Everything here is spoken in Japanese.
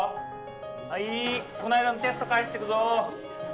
はいこないだのテスト返してくぞ。